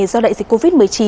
do đại dịch covid một mươi chín